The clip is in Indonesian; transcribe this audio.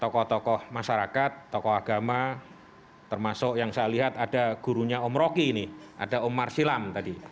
tokoh tokoh masyarakat tokoh agama termasuk yang saya lihat ada gurunya om roki ini ada omar silam tadi